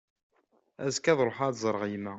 Azekka ad ruḥeɣ ad d-ẓreɣ yemma.